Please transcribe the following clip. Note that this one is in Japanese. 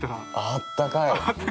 あったかい。